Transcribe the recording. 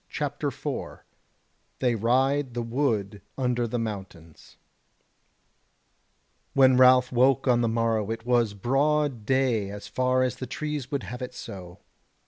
CHAPTER 4 They Ride the Wood Under the Mountains When Ralph woke on the morrow it was broad day as far as the trees would have it so.